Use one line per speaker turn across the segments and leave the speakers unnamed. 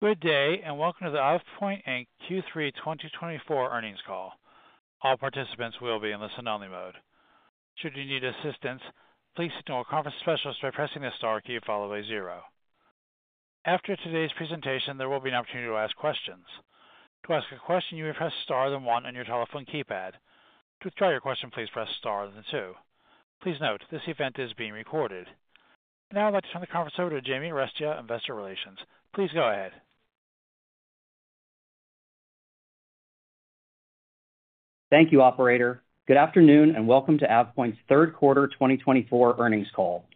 Good day, and welcome to the AvePoint Tianyi Jiang Q3 2024 earnings call. All participants will be in listen-only mode. Should you need assistance, please signal a conference specialist by pressing the star key followed by zero. After today's presentation, there will be an opportunity to ask questions. To ask a question, you may press star and then one on your telephone keypad. To withdraw your question, please press star and then two. Please note, this event is being recorded. Now, I'd like to turn the conference over to Jamie Arestia, Investor Relations. Please go ahead.
Thank you, Operator. Good afternoon, and welcome to AvePoint's third quarter 2024 earnings call.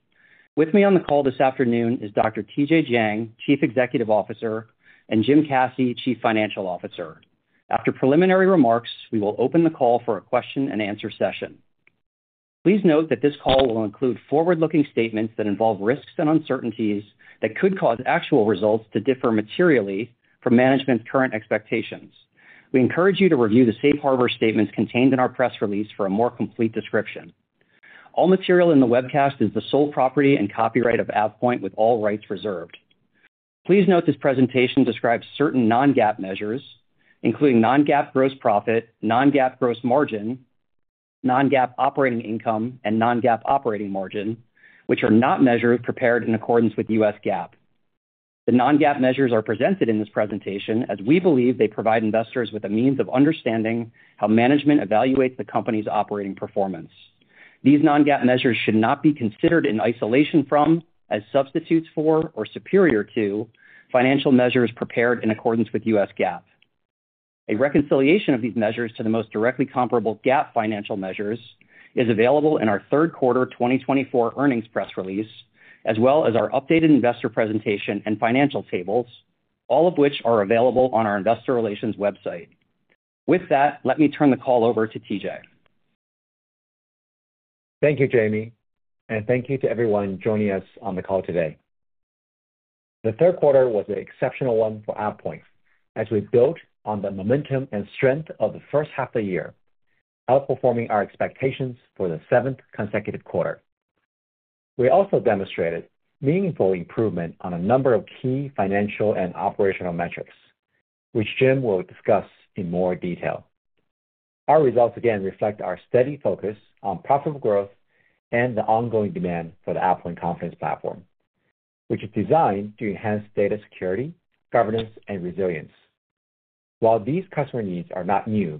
With me on the call this afternoon is Dr. TJ Jiang, Chief Executive Officer, and Jim Caci, Chief Financial Officer. After preliminary remarks, we will open the call for a question-and-answer session. Please note that this call will include forward-looking statements that involve risks and uncertainties that could cause actual results to differ materially from management's current expectations. We encourage you to review the safe harbor statements contained in our press release for a more complete description. All material in the webcast is the sole property and copyright of AvePoint, with all rights reserved. Please note this presentation describes certain non-GAAP measures, including non-GAAP gross profit, non-GAAP gross margin, non-GAAP operating income, and non-GAAP operating margin, which are not measures prepared in accordance with U.S. GAAP. The non-GAAP measures are presented in this presentation as we believe they provide investors with a means of understanding how management evaluates the company's operating performance. These non-GAAP measures should not be considered in isolation from, as substitutes for, or superior to, financial measures prepared in accordance with U.S. GAAP. A reconciliation of these measures to the most directly comparable GAAP financial measures is available in our third quarter 2024 earnings press release, as well as our updated investor presentation and financial tables, all of which are available on our Investor Relations website. With that, let me turn the call over to TJ.
Thank you, Jamie, and thank you to everyone joining us on the call today. The third quarter was an exceptional one for AvePoint as we built on the momentum and strength of the first half of the year, outperforming our expectations for the seventh consecutive quarter. We also demonstrated meaningful improvement on a number of key financial and operational metrics, which Jim will discuss in more detail. Our results again reflect our steady focus on profitable growth and the ongoing demand for the AvePoint Confidence Platform, which is designed to enhance data security, governance, and resilience. While these customer needs are not new,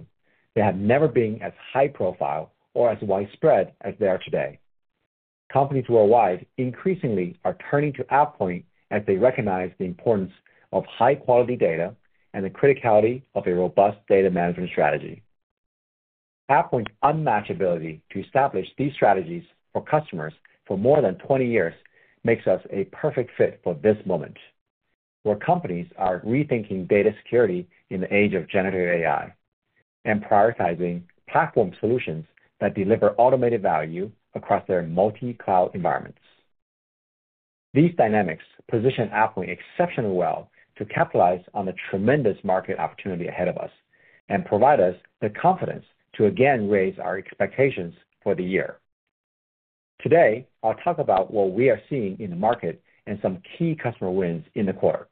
they have never been as high-profile or as widespread as they are today. Companies worldwide increasingly are turning to AvePoint as they recognize the importance of high-quality data and the criticality of a robust data management strategy. AvePoint's unmatched ability to establish these strategies for customers for more than 20 years makes us a perfect fit for this moment, where companies are rethinking data security in the age of generative AI and prioritizing platform solutions that deliver automated value across their multi-cloud environments. These dynamics position AvePoint exceptionally well to capitalize on the tremendous market opportunity ahead of us and provide us the confidence to again raise our expectations for the year. Today, I'll talk about what we are seeing in the market and some key customer wins in the quarter.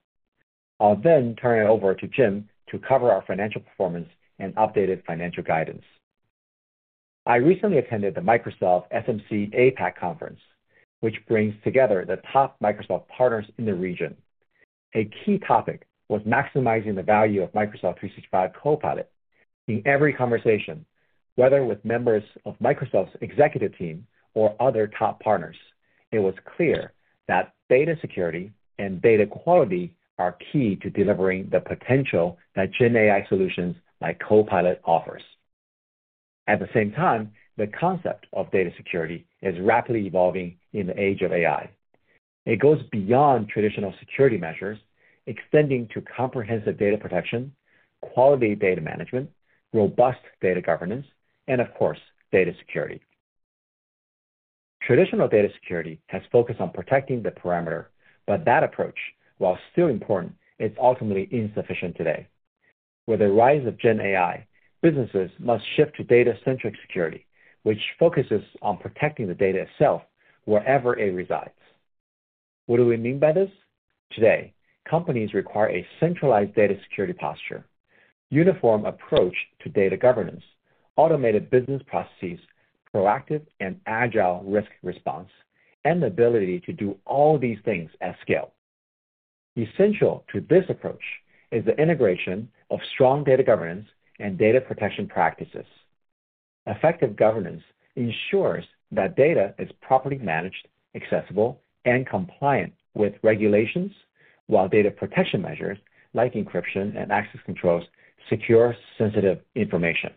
I'll then turn it over to Jim to cover our financial performance and updated financial guidance. I recently attended the Microsoft SMC APAC Conference, which brings together the top Microsoft partners in the region. A key topic was maximizing the value of Microsoft 365 Copilot. In every conversation, whether with members of Microsoft's executive team or other top partners, it was clear that data security and data quality are key to delivering the potential that GenAI solutions like Copilot offers. At the same time, the concept of data security is rapidly evolving in the age of AI. It goes beyond traditional security measures, extending to comprehensive data protection, quality data management, robust data governance, and, of course, data security. Traditional data security has focused on protecting the perimeter, but that approach, while still important, is ultimately insufficient today. With the rise of GenAI, businesses must shift to data-centric security, which focuses on protecting the data itself wherever it resides. What do we mean by this? Today, companies require a centralized data security posture, a uniform approach to data governance, automated business processes, proactive and agile risk response, and the ability to do all these things at scale. Essential to this approach is the integration of strong data governance and data protection practices. Effective governance ensures that data is properly managed, accessible, and compliant with regulations, while data protection measures like encryption and access controls secure sensitive information.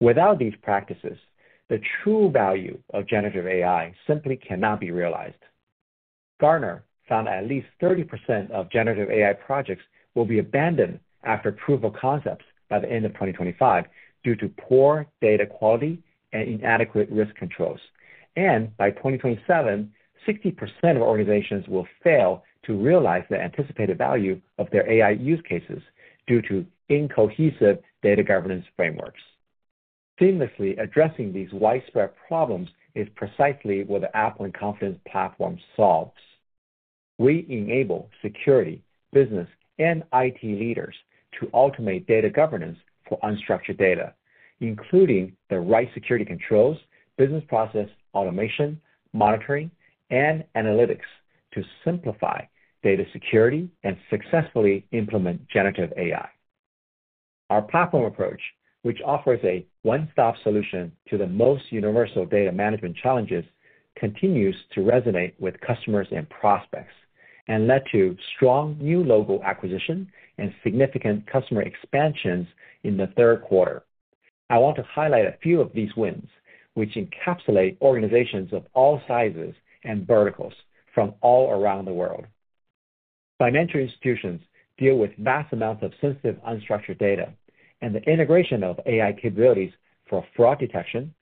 Without these practices, the true value of generative AI simply cannot be realized. Gartner found that at least 30% of generative AI projects will be abandoned after proof of concepts by the end of 2025 due to poor data quality and inadequate risk controls. And by 2027, 60% of organizations will fail to realize the anticipated value of their AI use cases due to incohesive data governance frameworks. Seamlessly addressing these widespread problems is precisely what the AvePoint Confidence Platform solves. We enable security, business, and IT leaders to automate data governance for unstructured data, including the right security controls, business process automation, monitoring, and analytics to simplify data security and successfully implement generative AI. Our platform approach, which offers a one-stop solution to the most universal data management challenges, continues to resonate with customers and prospects and led to strong new local acquisitions and significant customer expansions in the third quarter. I want to highlight a few of these wins, which encapsulate organizations of all sizes and verticals from all around the world. Financial institutions deal with vast amounts of sensitive unstructured data, and the integration of AI capabilities for fraud detection,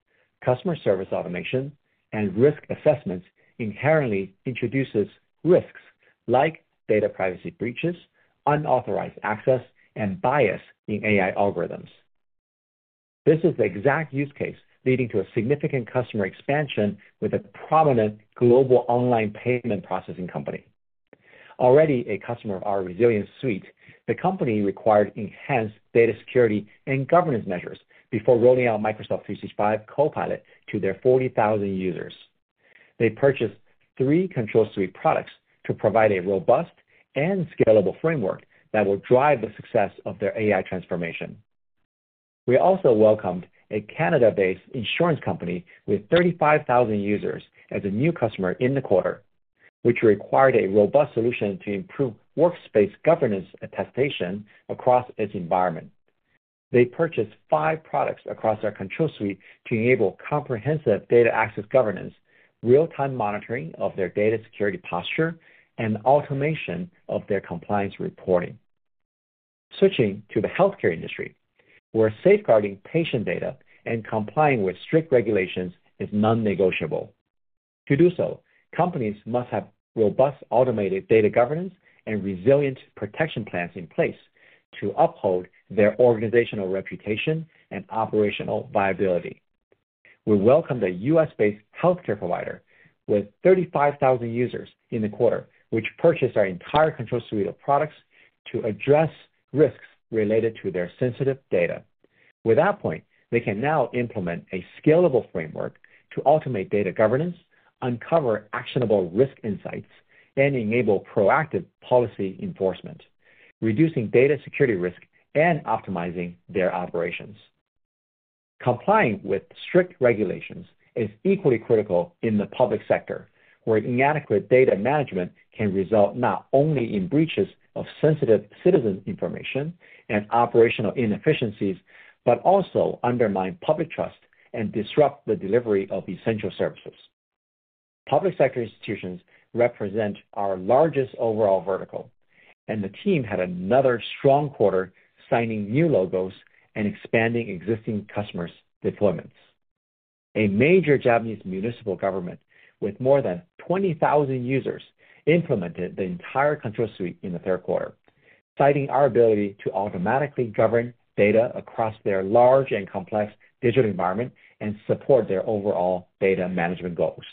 customer service automation, and risk assessments inherently introduces risks like data privacy breaches, unauthorized access, and bias in AI algorithms. This is the exact use case leading to a significant customer expansion with a prominent global online payment processing company. Already a customer of our Resilience Suite, the company required enhanced data security and governance measures before rolling out Microsoft 365 Copilot to their 40,000 users. They purchased three Control Suite products to provide a robust and scalable framework that will drive the success of their AI transformation. We also welcomed a Canada-based insurance company with 35,000 users as a new customer in the quarter, which required a robust solution to improve workspace governance attestation across its environment. They purchased five products across their Control Suite to enable comprehensive data access governance, real-time monitoring of their data security posture, and automation of their compliance reporting. Switching to the healthcare industry, where safeguarding patient data and complying with strict regulations is non-negotiable. To do so, companies must have robust automated data governance and resilient protection plans in place to uphold their organizational reputation and operational viability. We welcomed a U.S.-based healthcare provider with 35,000 users in the quarter, which purchased our entire Control Suite of products to address risks related to their sensitive data. With AvePoint, they can now implement a scalable framework to automate data governance, uncover actionable risk insights, and enable proactive policy enforcement, reducing data security risk and optimizing their operations. Complying with strict regulations is equally critical in the public sector, where inadequate data management can result not only in breaches of sensitive citizen information and operational inefficiencies, but also undermine public trust and disrupt the delivery of essential services. Public sector institutions represent our largest overall vertical, and the team had another strong quarter signing new logos and expanding existing customers' deployments. A major Japanese municipal government with more than 20,000 users implemented the entire Control Suite in the third quarter, citing our ability to automatically govern data across their large and complex digital environment and support their overall data management goals.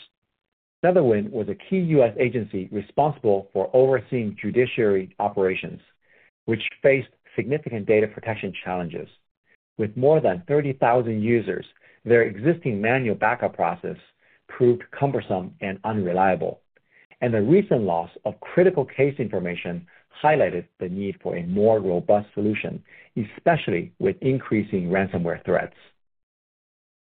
Another win was a key U.S. agency responsible for overseeing judiciary operations, which faced significant data protection challenges. With more than 30,000 users, their existing manual backup process proved cumbersome and unreliable, and the recent loss of critical case information highlighted the need for a more robust solution, especially with increasing ransomware threats.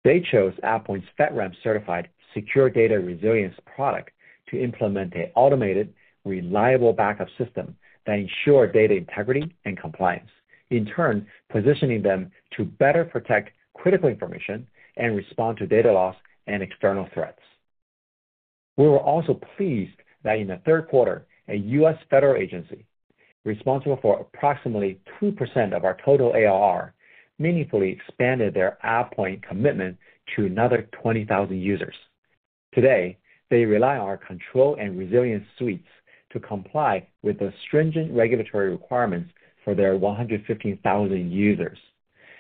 They chose AvePoint's FedRAMP-certified secure data resilience product to implement an automated, reliable backup system that ensured data integrity and compliance, in turn positioning them to better protect critical information and respond to data loss and external threats. We were also pleased that in the third quarter, a U.S. Federal agency responsible for approximately 2% of our total ARR meaningfully expanded their AvePoint commitment to another 20,000 users. Today, they rely on our Control and Resilience Suites to comply with the stringent regulatory requirements for their 115,000 users,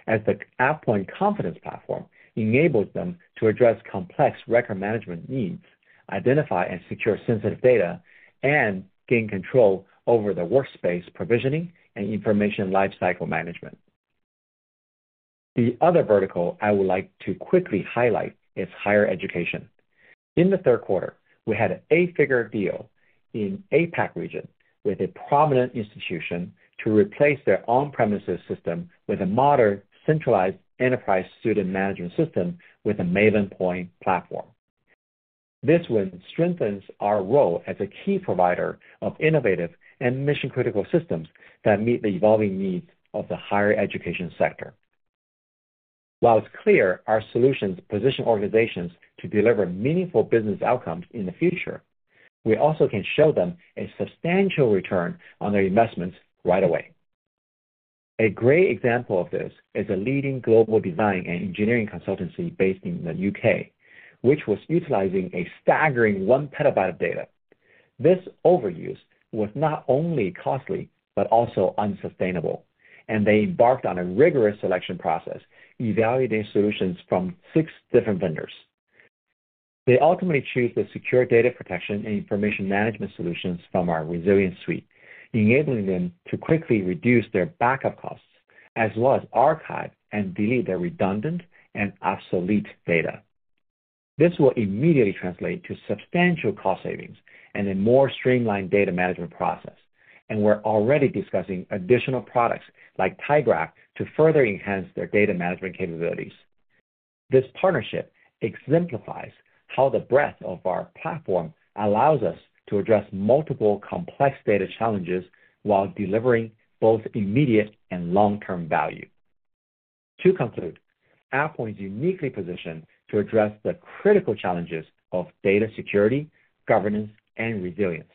as the AvePoint Confidence Platform enables them to address complex record management needs, identify and secure sensitive data, and gain control over the workspace provisioning and information lifecycle management. The other vertical I would like to quickly highlight is higher education. In the third quarter, we had an eight-figure deal in the APAC region with a prominent institution to replace their on-premises system with a modern centralized enterprise student management system with a MaivenPoint platform. This win strengthens our role as a key provider of innovative and mission-critical systems that meet the evolving needs of the higher education sector. While it's clear our solutions position organizations to deliver meaningful business outcomes in the future, we also can show them a substantial return on their investments right away. A great example of this is a leading global design and engineering consultancy based in the UK, which was utilizing a staggering one petabyte of data. This overuse was not only costly but also unsustainable, and they embarked on a rigorous selection process evaluating solutions from six different vendors. They ultimately chose the secure data protection and information management solutions from our Resilience Suite, enabling them to quickly reduce their backup costs as well as archive and delete their redundant and obsolete data. This will immediately translate to substantial cost savings and a more streamlined data management process, and we're already discussing additional products like tyGraph to further enhance their data management capabilities. This partnership exemplifies how the breadth of our platform allows us to address multiple complex data challenges while delivering both immediate and long-term value. To conclude, AvePoint is uniquely positioned to address the critical challenges of data security, governance, and resilience.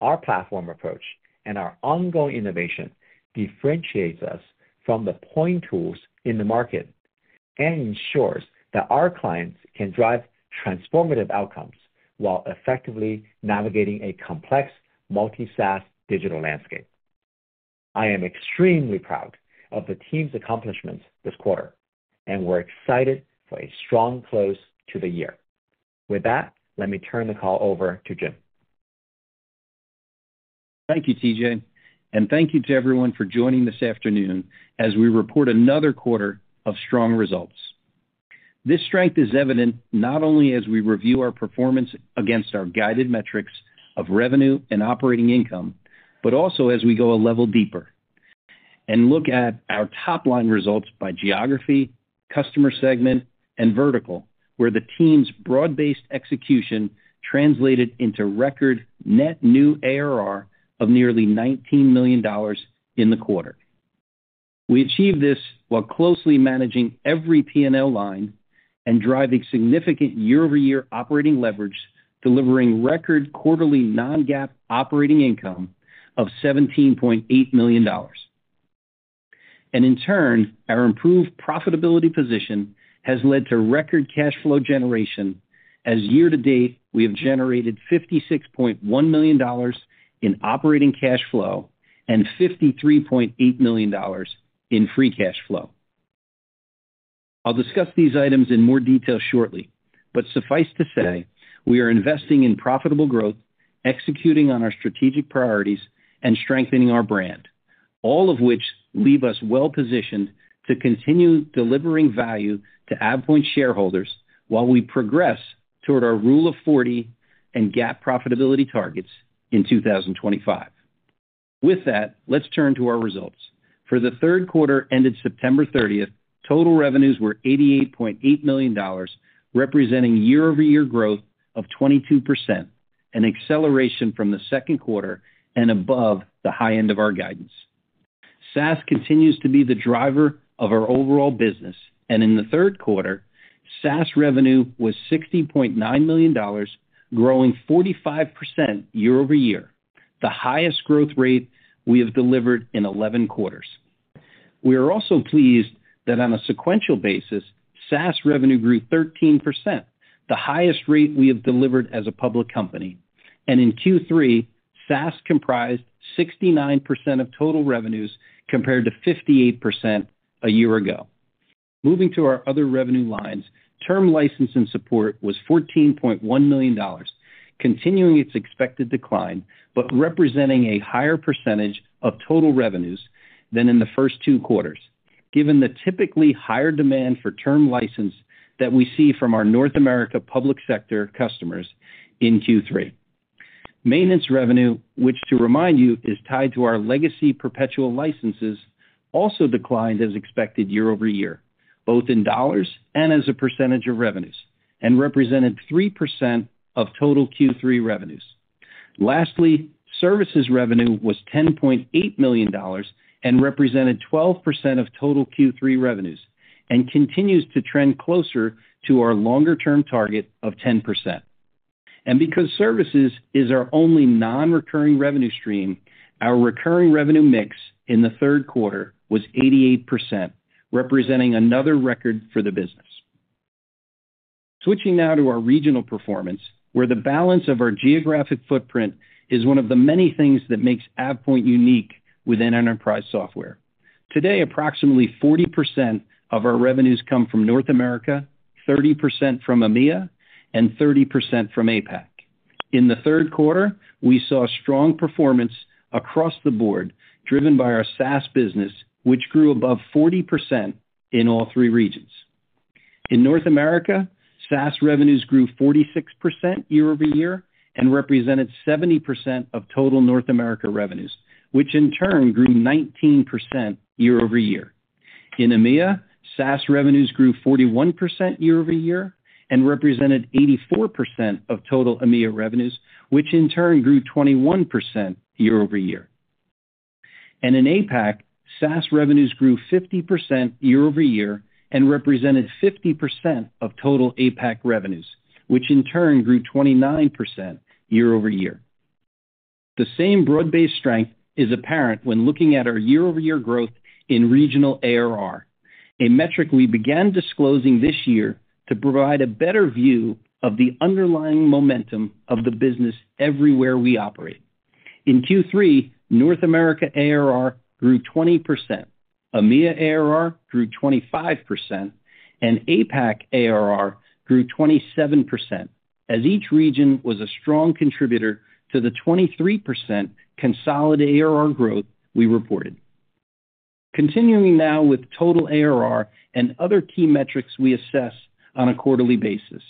Our platform approach and our ongoing innovation differentiate us from the point tools in the market and ensure that our clients can drive transformative outcomes while effectively navigating a complex multi-SaaS digital landscape. I am extremely proud of the team's accomplishments this quarter, and we're excited for a strong close to the year. With that, let me turn the call over to Jim.
Thank you, TJ, and thank you to everyone for joining this afternoon as we report another quarter of strong results. This strength is evident not only as we review our performance against our guided metrics of revenue and operating income, but also as we go a level deeper and look at our top-line results by geography, customer segment, and vertical, where the team's broad-based execution translated into record net new ARR of nearly $19 million in the quarter. We achieved this while closely managing every P&L line and driving significant year-over-year operating leverage, delivering record quarterly non-GAAP operating income of $17.8 million, and in turn, our improved profitability position has led to record cash flow generation, as year-to-date we have generated $56.1 million in operating cash flow and $53.8 million in free cash flow. I'll discuss these items in more detail shortly, but suffice to say we are investing in profitable growth, executing on our strategic priorities, and strengthening our brand, all of which leave us well-positioned to continue delivering value to AvePoint shareholders while we progress toward our Rule of 40 and GAAP profitability targets in 2025. With that, let's turn to our results. For the third quarter ended September 30th, total revenues were $88.8 million, representing year-over-year growth of 22%, an acceleration from the second quarter and above the high end of our guidance. SaaS continues to be the driver of our overall business, and in the third quarter, SaaS revenue was $60.9 million, growing 45% year-over-year, the highest growth rate we have delivered in 11 quarters. We are also pleased that on a sequential basis, SaaS revenue grew 13%, the highest rate we have delivered as a public company, and in Q3, SaaS comprised 69% of total revenues compared to 58% a year ago. Moving to our other revenue lines, term licensing support was $14.1 million, continuing its expected decline but representing a higher percentage of total revenues than in the first two quarters, given the typically higher demand for term license that we see from our North America public sector customers in Q3. Maintenance revenue, which to remind you is tied to our legacy perpetual licenses, also declined as expected year-over-year, both in dollars and as a percentage of revenues, and represented 3% of total Q3 revenues. Lastly, services revenue was $10.8 million and represented 12% of total Q3 revenues and continues to trend closer to our longer-term target of 10%. Because services is our only non-recurring revenue stream, our recurring revenue mix in the third quarter was 88%, representing another record for the business. Switching now to our regional performance, where the balance of our geographic footprint is one of the many things that makes AvePoint unique within enterprise software. Today, approximately 40% of our revenues come from North America, 30% from EMEA, and 30% from APAC. In the third quarter, we saw strong performance across the board driven by our SaaS business, which grew above 40% in all three regions. In North America, SaaS revenues grew 46% year-over-year and represented 70% of total North America revenues, which in turn grew 19% year-over-year. In EMEA, SaaS revenues grew 41% year-over-year and represented 84% of total EMEA revenues, which in turn grew 21% year-over-year. In APAC, SaaS revenues grew 50% year-over-year and represented 50% of total APAC revenues, which in turn grew 29% year-over-year. The same broad-based strength is apparent when looking at our year-over-year growth in regional ARR, a metric we began disclosing this year to provide a better view of the underlying momentum of the business everywhere we operate. In Q3, North America ARR grew 20%, EMEA ARR grew 25%, and APAC ARR grew 27%, as each region was a strong contributor to the 23% consolidated ARR growth we reported. Continuing now with total ARR and other key metrics we assess on a quarterly basis.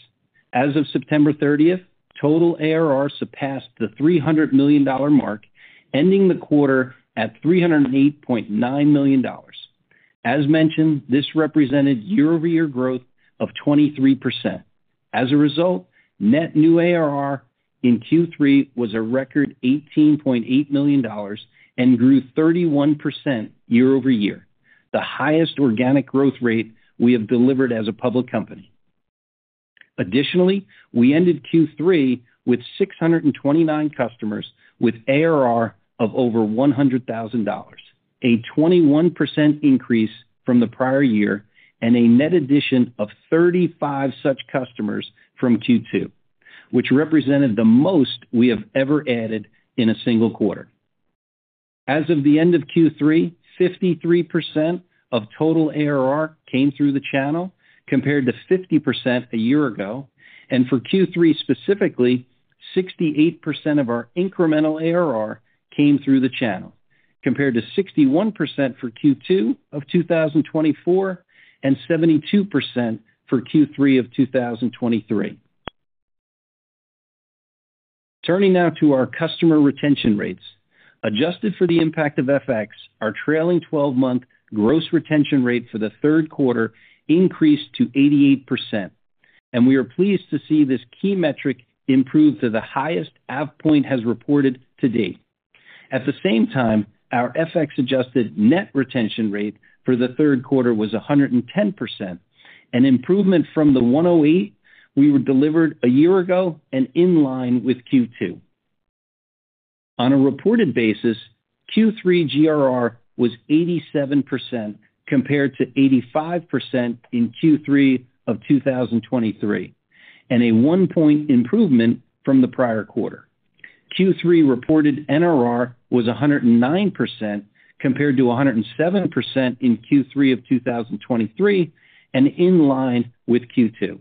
As of September 30th, total ARR surpassed the $300 million mark, ending the quarter at $308.9 million. As mentioned, this represented year-over-year growth of 23%. As a result, net new ARR in Q3 was a record $18.8 million and grew 31% year-over-year, the highest organic growth rate we have delivered as a public company. Additionally, we ended Q3 with 629 customers with ARR of over $100,000, a 21% increase from the prior year, and a net addition of 35 such customers from Q2, which represented the most we have ever added in a single quarter. As of the end of Q3, 53% of total ARR came through the channel compared to 50% a year ago, and for Q3 specifically, 68% of our incremental ARR came through the channel compared to 61% for Q2 of 2024 and 72% for Q3 of 2023. Turning now to our customer retention rates. Adjusted for the impact of FX, our trailing 12-month gross retention rate for the third quarter increased to 88%, and we are pleased to see this key metric improve to the highest AvePoint has reported to date. At the same time, our FX-adjusted net retention rate for the third quarter was 110%, an improvement from the 108 we were delivered a year ago and in line with Q2. On a reported basis, Q3 GRR was 87% compared to 85% in Q3 of 2023, and a one-point improvement from the prior quarter. Q3 reported NRR was 109% compared to 107% in Q3 of 2023 and in line with Q2.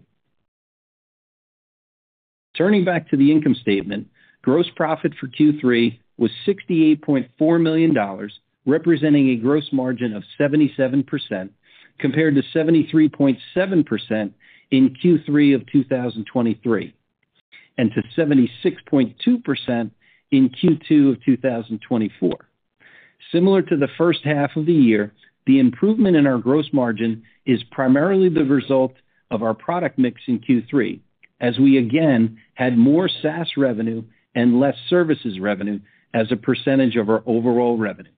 Turning back to the income statement, gross profit for Q3 was $68.4 million, representing a gross margin of 77% compared to 73.7% in Q3 of 2023 and to 76.2% in Q2 of 2024. Similar to the first half of the year, the improvement in our gross margin is primarily the result of our product mix in Q3, as we again had more SaaS revenue and less services revenue as a percentage of our overall revenue.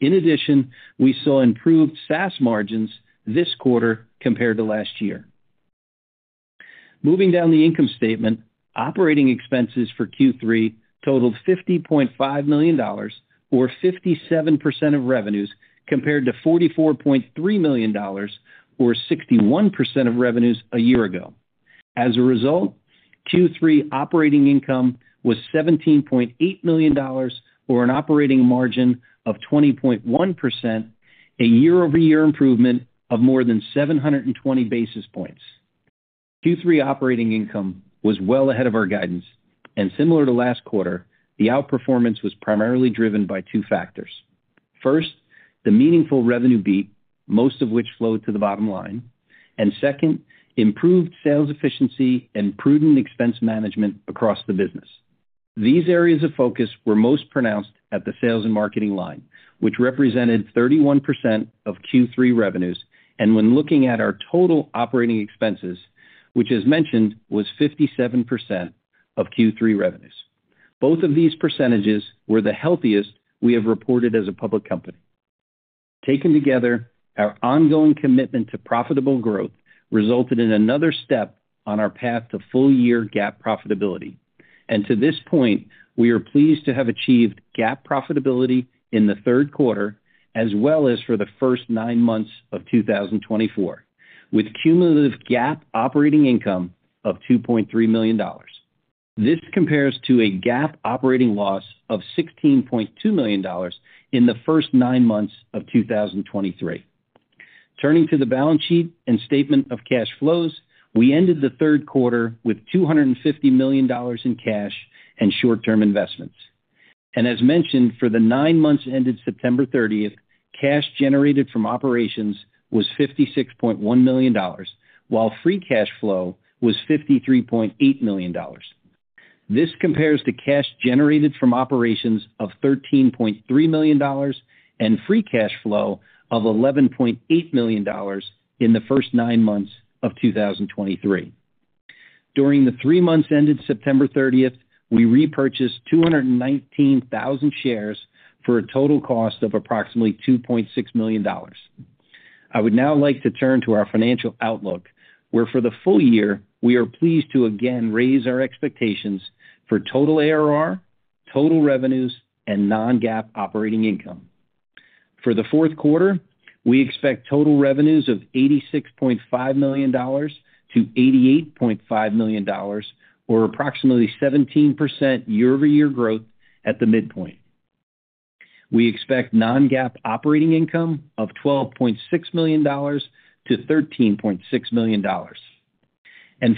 In addition, we saw improved SaaS margins this quarter compared to last year. Moving down the income statement, operating expenses for Q3 totaled $50.5 million, or 57% of revenues, compared to $44.3 million, or 61% of revenues a year ago. As a result, Q3 operating income was $17.8 million, or an operating margin of 20.1%, a year-over-year improvement of more than 720 basis points. Q3 operating income was well ahead of our guidance, and similar to last quarter, the outperformance was primarily driven by two factors. First, the meaningful revenue beat, most of which flowed to the bottom line, and second, improved sales efficiency and prudent expense management across the business. These areas of focus were most pronounced at the sales and marketing line, which represented 31% of Q3 revenues, and when looking at our total operating expenses, which, as mentioned, was 57% of Q3 revenues. Both of these percentages were the healthiest we have reported as a public company. Taken together, our ongoing commitment to profitable growth resulted in another step on our path to full-year GAAP profitability, and to this point, we are pleased to have achieved GAAP profitability in the third quarter as well as for the first nine months of 2024, with cumulative GAAP operating income of $2.3 million. This compares to a GAAP operating loss of $16.2 million in the first nine months of 2023. Turning to the balance sheet and statement of cash flows, we ended the third quarter with $250 million in cash and short-term investments. As mentioned, for the nine months ended September 30th, cash generated from operations was $56.1 million, while free cash flow was $53.8 million. This compares to cash generated from operations of $13.3 million and free cash flow of $11.8 million in the first nine months of 2023. During the three months ended September 30th, we repurchased 219,000 shares for a total cost of approximately $2.6 million. I would now like to turn to our financial outlook, where for the full year, we are pleased to again raise our expectations for total ARR, total revenues, and non-GAAP operating income. For the fourth quarter, we expect total revenues of $86.5 million-$88.5 million, or approximately 17% year-over-year growth at the midpoint. We expect non-GAAP operating income of $12.6 million to $13.6 million.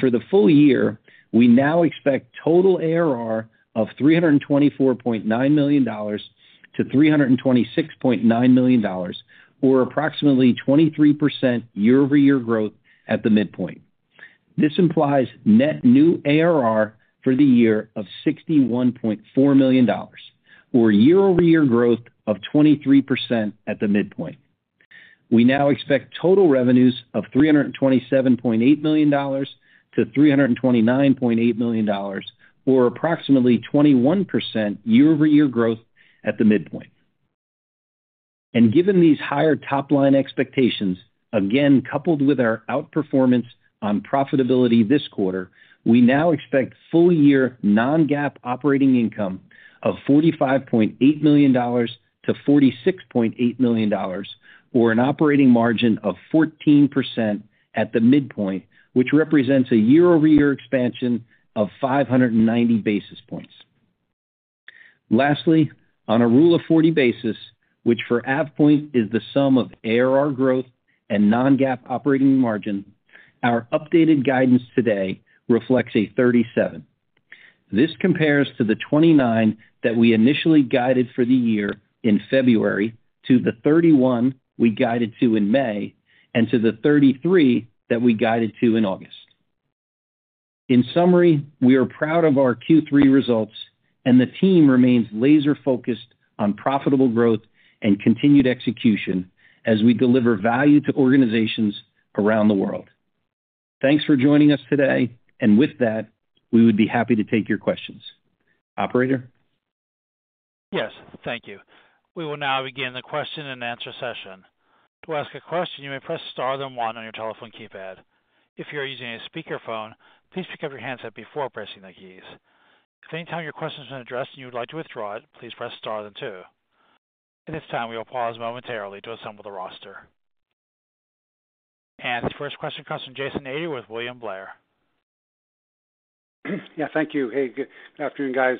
For the full year, we now expect total ARR of $324.9 million to $326.9 million, or approximately 23% year-over-year growth at the midpoint. This implies net new ARR for the year of $61.4 million, or year-over-year growth of 23% at the midpoint. We now expect total revenues of $327.8 million to $329.8 million, or approximately 21% year-over-year growth at the midpoint. Given these higher top-line expectations, again coupled with our outperformance on profitability this quarter, we now expect full-year non-GAAP operating income of $45.8 million to $46.8 million, or an operating margin of 14% at the midpoint, which represents a year-over-year expansion of 590 basis points. Lastly, on a Rule of 40 basis, which for AvePoint is the sum of ARR growth and non-GAAP operating margin, our updated guidance today reflects a 37. This compares to the 29 that we initially guided for the year in February, to the 31 we guided to in May, and to the 33 that we guided to in August. In summary, we are proud of our Q3 results, and the team remains laser-focused on profitable growth and continued execution as we deliver value to organizations around the world. Thanks for joining us today, and with that, we would be happy to take your questions. Operator?
Yes, thank you. We will now begin the question-and-answer session. To ask a question, you may press star then one on your telephone keypad. If you are using a speakerphone, please pick up your handset before pressing the keys. If at any time your question has been addressed and you would like to withdraw it, please press star then two. At this time, we will pause momentarily to assemble the roster, and the first question comes from Jason Ader with William Blair. Yeah, thank you. Hey, good afternoon, guys.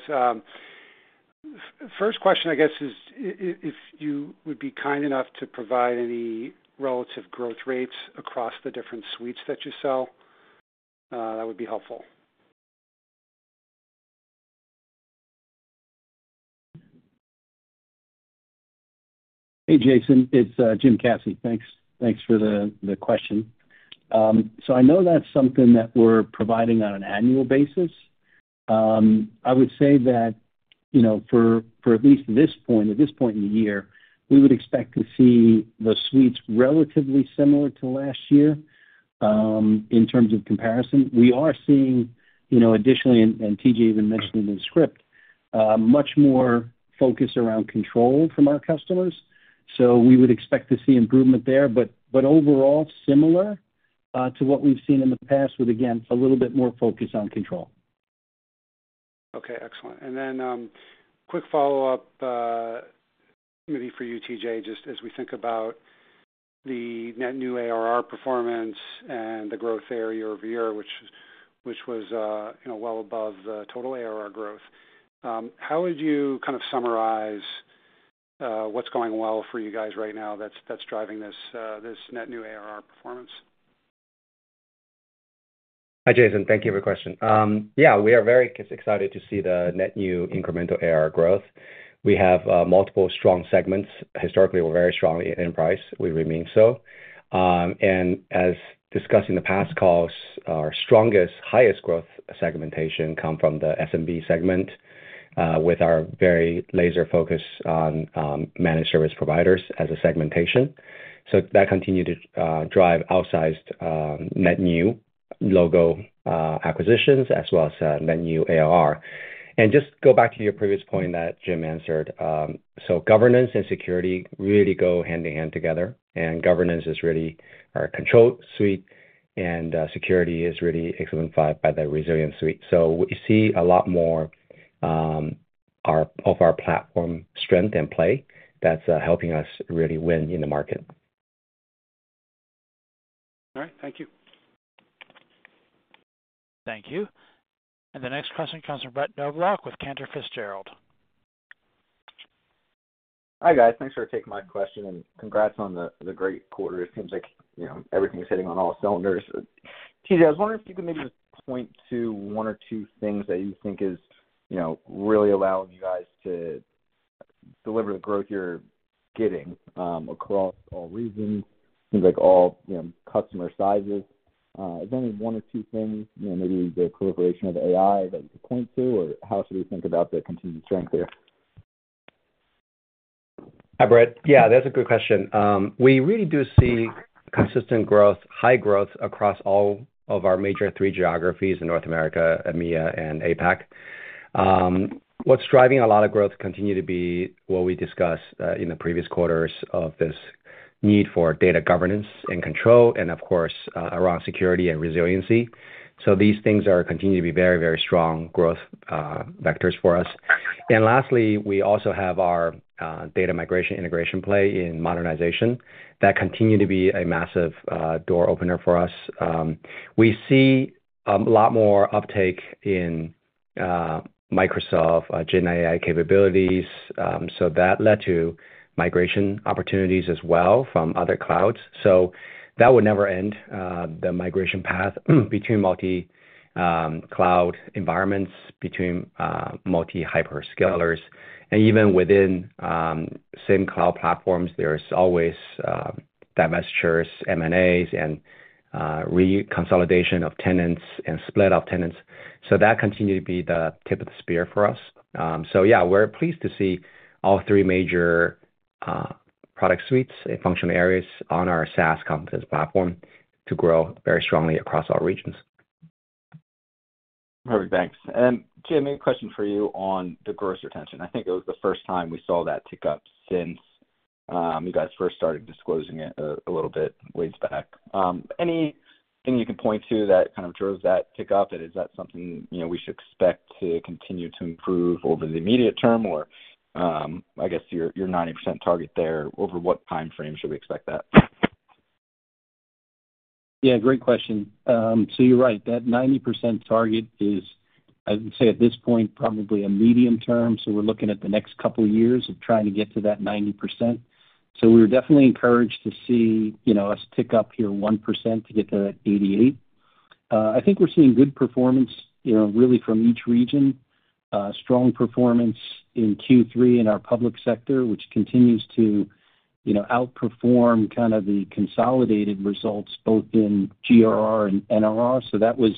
First question, I guess, is if you would be kind enough to provide any relative growth rates across the different suites that you sell, that would be helpful.
Hey, Jason, it's Jim Caci. Thanks for the question. So I know that's something that we're providing on an annual basis. I would say that at this point in the year, we would expect to see the suites relatively similar to last year in terms of comparison. We are seeing, additionally, and TJ even mentioned in the script, much more focus around control from our customers. So we would expect to see improvement there, but overall, similar to what we've seen in the past with, again, a little bit more focus on control. Okay, excellent. And then quick follow-up maybe for you, TJ, just as we think about the net new ARR performance and the growth there year-over-year, which was well above the total ARR growth. How would you kind of summarize what's going well for you guys right now that's driving this net new ARR performance?
Hi, Jason. Thank you for the question. Yeah, we are very excited to see the net new incremental ARR growth. We have multiple strong segments. Historically, we're very strong in APAC. We remain so. And as discussed in the past calls, our strongest, highest growth segmentation comes from the SMB segment with our very laser focus on managed service providers as a segmentation. So that continued to drive outsized net new logo acquisitions as well as net new ARR. And just go back to your previous point that Jim answered. So governance and security really go hand in hand together, and governance is really our Control Suite, and security is really exemplified by the Resilience Suite. So we see a lot more of our platform strength in play that's helping us really win in the market. All right, thank you.
Thank you. And the next question comes from Brett Knoblauch with Cantor Fitzgerald.
Hi guys. Thanks for taking my question, and congrats on the great quarter. It seems like everything's hitting on all cylinders. TJ, I was wondering if you could maybe just point to one or two things that you think is really allowing you guys to deliver the growth you're getting across all regions, seems like all customer sizes. Is there any one or two things, maybe the proliferation of AI that you could point to, or how should we think about the continued strength there?
Hi, Brett. Yeah, that's a good question. We really do see consistent growth, high growth across all of our major three geographies in North America, EMEA, and APAC. What's driving a lot of growth continues to be what we discussed in the previous quarters of this need for data governance and control, and of course, around security and resiliency. So these things continue to be very, very strong growth vectors for us. And lastly, we also have our data migration integration play in modernization. That continued to be a massive door opener for us. We see a lot more uptake in Microsoft GenAI capabilities. So that led to migration opportunities as well from other clouds. So that will never end, the migration path between multi-cloud environments, between multi-hyperscalers. And even within same cloud platforms, there's always divestitures, M&As, and reconsolidation of tenants and split of tenants. So that continued to be the tip of the spear for us. So yeah, we're pleased to see all three major product suites and functional areas on our SaaS Confidence Platform to grow very strongly across all regions.
Perfect, thanks. And Jim, a question for you on the growth retention. I think it was the first time we saw that tick up since you guys first started disclosing it a little bit ways back. Anything you can point to that kind of drove that tick up? Is that something we should expect to continue to improve over the immediate term, or I guess your 90% target there, over what time frame should we expect that?
Yeah, great question. So you're right. That 90% target is, I would say at this point, probably a medium term. So we're looking at the next couple of years of trying to get to that 90%. So we're definitely encouraged to see us tick up here 1% to get to 88%. I think we're seeing good performance really from each region, strong performance in Q3 in our public sector, which continues to outperform kind of the consolidated results both in GRR and NRR. So that was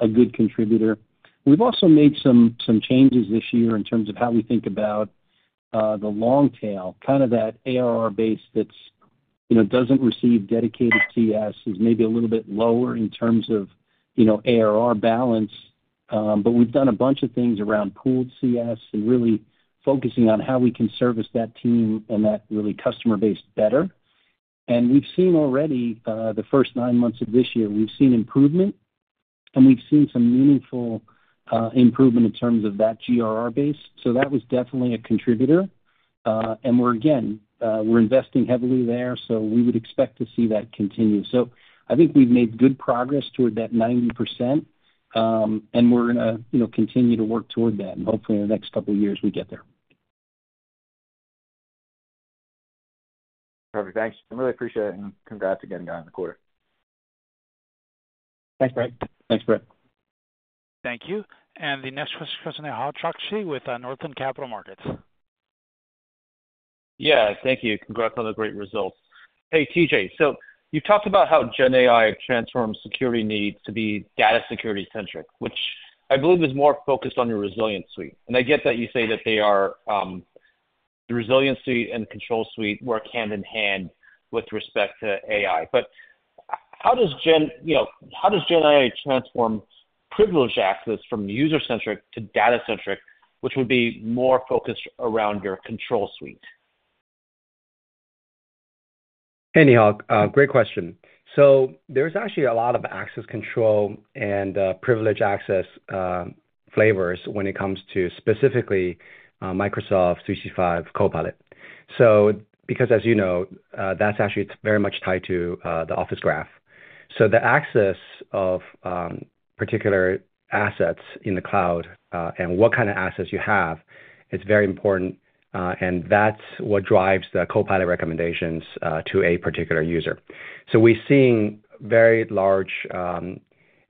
a good contributor. We've also made some changes this year in terms of how we think about the long tail, kind of that ARR base that doesn't receive dedicated CS is maybe a little bit lower in terms of ARR balance. We've done a bunch of things around pooled CS and really focusing on how we can service that team and that really customer base better. We've seen already the first nine months of this year, we've seen improvement, and we've seen some meaningful improvement in terms of that GRR base. So that was definitely a contributor. And again, we're investing heavily there, so we would expect to see that continue. So I think we've made good progress toward that 90%, and we're going to continue to work toward that, and hopefully in the next couple of years we get there.
Perfect, thanks. I really appreciate it, and congrats again, guys, on the quarter.
Thanks, Brett.
Thanks, Brett.
Thank you. And the next question is from Nehal Chokshi with Northland Capital Markets.
Yeah, thank you. Congrats on the great results. Hey, TJ, so you've talked about how Gen AI transforms security needs to be data security-centric, which I believe is more focused on your Resilience Suite. And I get that you say that the Resilience Suite and Control Suite work hand in hand with respect to AI. But how does Gen AI transform privilege access from user-centric to data-centric, which would be more focused around your Control Suite?
Nehal, great question. So there's actually a lot of access control and privilege access flavors when it comes to specifically Microsoft 365 Copilot. So because, as you know, that's actually very much tied to the Microsoft Graph. So the access of particular assets in the cloud and what kind of assets you have is very important, and that's what drives the Copilot recommendations to a particular user. So we're seeing very large,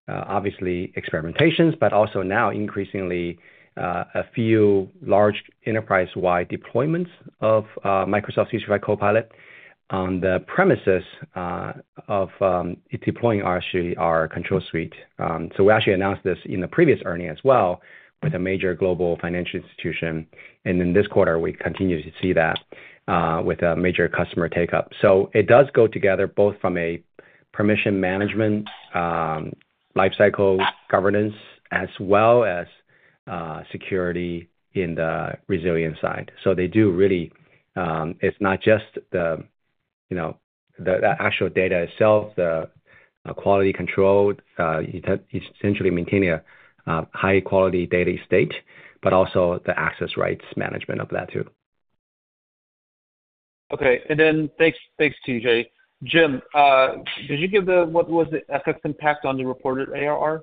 obviously, experimentations, but also now increasingly a few large enterprise-wide deployments of Microsoft 365 Copilot on the premises of deploying our Control Suite. So we actually announced this in the previous earnings as well with a major global financial institution. And in this quarter, we continue to see that with a major customer take-up. So it does go together both from a permission management, lifecycle governance, as well as security in the resilience side. So, they do really. It's not just the actual data itself, the quality control, essentially maintaining a high-quality data estate, but also the access rights management of that too.
Okay, and then thanks, TJ. Jim, did you give the, what was the FX impact on the reported ARR?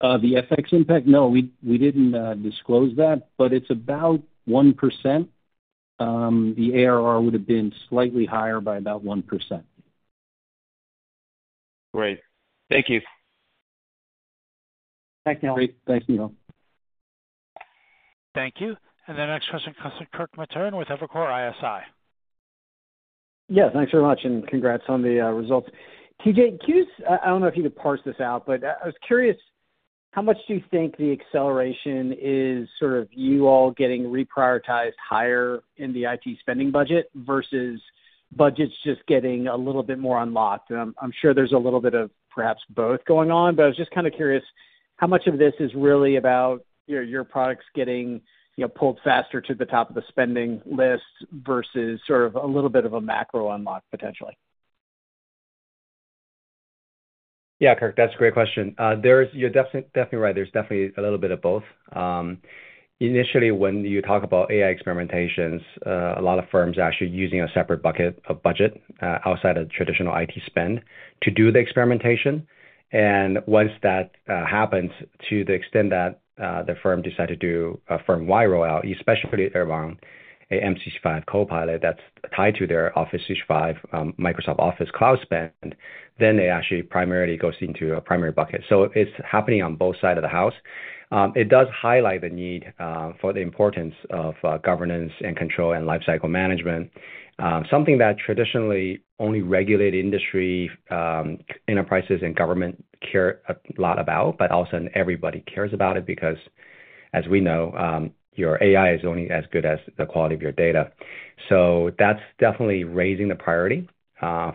The FX impact, no, we didn't disclose that, but it's about 1%. The ARR would have been slightly higher by about 1%.
Great. Thank you.
Thanks, Neil.
Thank you. And the next question comes from Kirk Materne with Evercore ISI.
Yeah, thanks very much, and congrats on the results. TJ, I don't know if you could parse this out, but I was curious how much do you think the acceleration is sort of you all getting reprioritized higher in the IT spending budget versus budgets just getting a little bit more unlocked? I'm sure there's a little bit of perhaps both going on, but I was just kind of curious how much of this is really about your products getting pulled faster to the top of the spending list versus sort of a little bit of a macro unlock potentially.
Yeah, Kirk, that's a great question. You're definitely right. There's definitely a little bit of both. Initially, when you talk about AI experimentations, a lot of firms are actually using a separate bucket of budget outside of traditional IT spend to do the experimentation, and once that happens, to the extent that the firm decided to do a firm-wide rollout, especially around an M365 Copilot that's tied to their Office 365 Microsoft Office cloud spend, then it actually primarily goes into a primary bucket, so it's happening on both sides of the house. It does highlight the need for the importance of governance and control and lifecycle management, something that traditionally only regulated industry enterprises and government care a lot about, but also everybody cares about it because, as we know, your AI is only as good as the quality of your data. So that's definitely raising the priority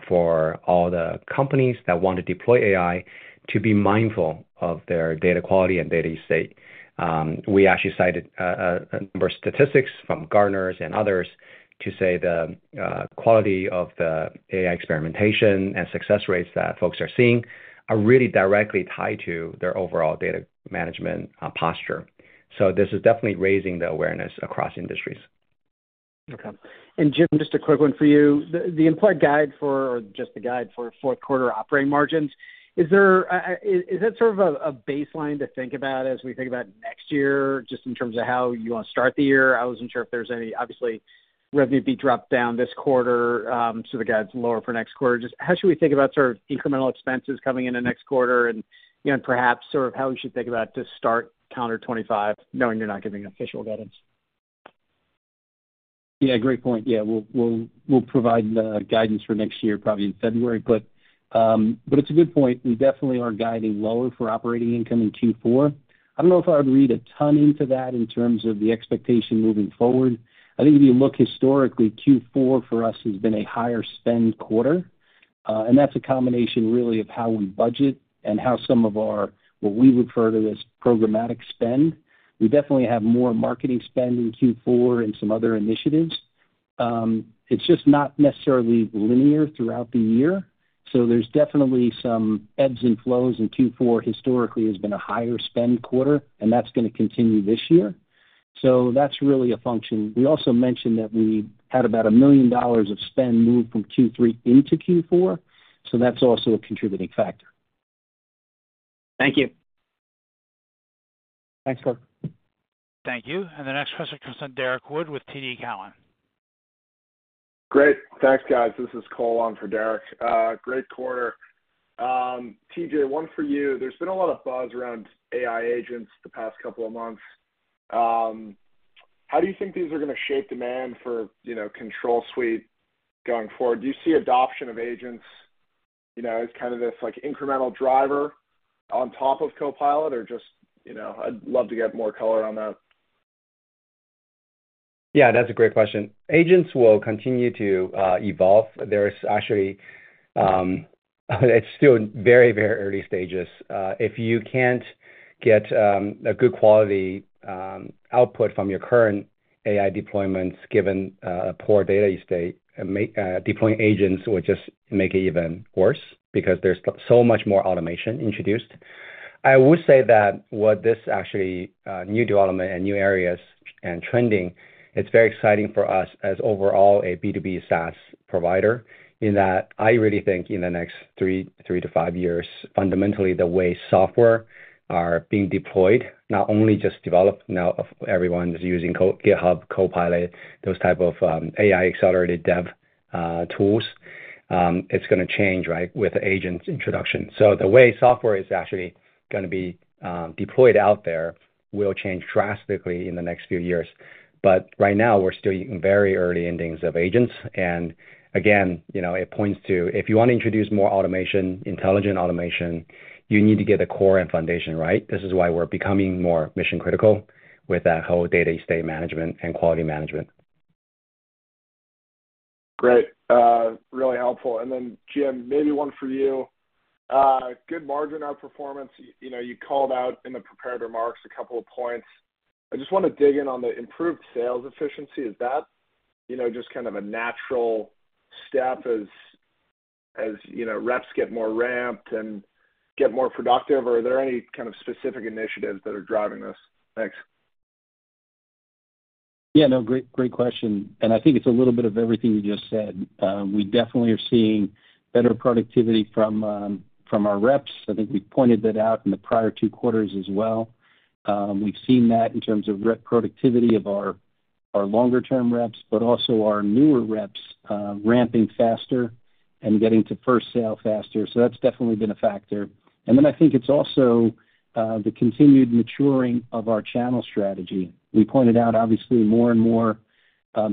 for all the companies that want to deploy AI to be mindful of their data quality and data estate. We actually cited a number of statistics from Gartner's and others to say the quality of the AI experimentation and success rates that folks are seeing are really directly tied to their overall data management posture. So this is definitely raising the awareness across industries.
Okay. And Jim, just a quick one for you. The employee guide for, or just the guide for fourth quarter operating margins, is that sort of a baseline to think about as we think about next year, just in terms of how you want to start the year? I wasn't sure if there's any, obviously, revenue be dropped down this quarter, so the guide's lower for next quarter. Just how should we think about sort of incremental expenses coming into next quarter and perhaps sort of how we should think about to start calendar 2025, knowing you're not giving official guidance?
Yeah, great point. Yeah, we'll provide the guidance for next year probably in February, but it's a good point. We definitely are guiding lower for operating income in Q4. I don't know if I would read a ton into that in terms of the expectation moving forward. I think if you look historically, Q4 for us has been a higher spend quarter, and that's a combination really of how we budget and how some of what we refer to as programmatic spend. We definitely have more marketing spend in Q4 and some other initiatives. It's just not necessarily linear throughout the year. So there's definitely some ebbs and flows in Q4. Historically, it has been a higher spend quarter, and that's going to continue this year. So that's really a function. We also mentioned that we had about $1 million of spend move from Q3 into Q4, so that's also a contributing factor.
Thank you.
Thanks, Kirk.
Thank you. And the next question comes from Derek Wood with TD Cowen.
Great. Thanks, guys. This is Cole on for Derek. Great quarter. TJ, one for you. There's been a lot of buzz around AI agents the past couple of months. How do you think these are going to shape demand for Control Suite going forward? Do you see adoption of agents as kind of this incremental driver on top of Copilot, or? Just, I'd love to get more color on that.
Yeah, that's a great question. Agents will continue to evolve. There is actually, it's still very, very early stages. If you can't get a good quality output from your current AI deployments given a poor data estate, deploying agents will just make it even worse because there's so much more automation introduced. I would say that what this actually new development and new areas and trending, it's very exciting for us as overall a B2B SaaS provider in that I really think in the next three to five years, fundamentally, the way software are being deployed, not only just developed, now everyone is using GitHub Copilot, those type of AI accelerated dev tools, it's going to change with agents' introduction. So the way software is actually going to be deployed out there will change drastically in the next few years. But right now, we're still very early innings of agents. Again, it points to if you want to introduce more automation, intelligent automation, you need to get the core and foundation, right? This is why we're becoming more mission-critical with that whole data estate management and quality management.
Great. Really helpful. And then, Jim, maybe one for you. Good margin outperformance. You called out in the prepared remarks a couple of points. I just want to dig in on the improved sales efficiency. Is that just kind of a natural step as reps get more ramped and get more productive, or are there any kind of specific initiatives that are driving this? Thanks.
Yeah, no, great question. And I think it's a little bit of everything you just said. We definitely are seeing better productivity from our reps. I think we pointed that out in the prior two quarters as well. We've seen that in terms of rep productivity of our longer-term reps, but also our newer reps ramping faster and getting to first sale faster. So that's definitely been a factor. And then I think it's also the continued maturing of our channel strategy. We pointed out, obviously, more and more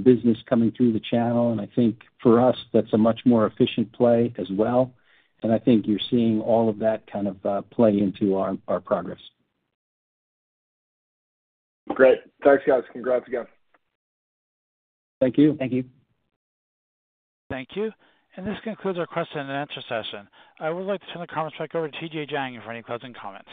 business coming through the channel, and I think for us, that's a much more efficient play as well. And I think you're seeing all of that kind of play into our progress.
Great. Thanks, guys. Congrats, again.
Thank you.
Thank you.
Thank you. And this concludes our question and answer session. I would like to turn the conference back over to TJ Jiang for any closing comments.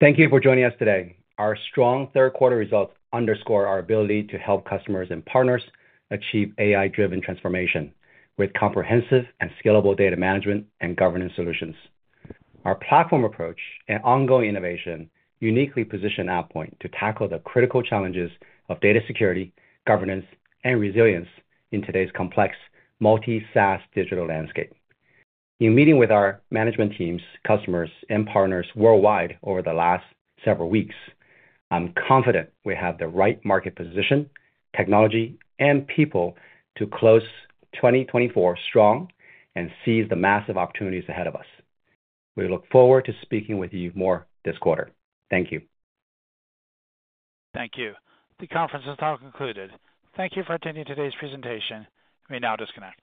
Thank you for joining us today. Our strong third quarter results underscore our ability to help customers and partners achieve AI-driven transformation with comprehensive and scalable data management and governance solutions. Our platform approach and ongoing innovation uniquely position AvePoint to tackle the critical challenges of data security, governance, and resilience in today's complex multi-SaaS digital landscape. In meeting with our management teams, customers, and partners worldwide over the last several weeks, I'm confident we have the right market position, technology, and people to close 2024 strong and seize the massive opportunities ahead of us. We look forward to speaking with you more this quarter. Thank you.
Thank you. The conference is now concluded. Thank you for attending today's presentation. We now disconnect.